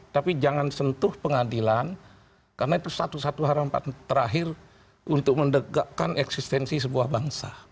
tapi jangan sentuh pengadilan karena itu satu satu harapan terakhir untuk mendegakkan eksistensi sebuah bangsa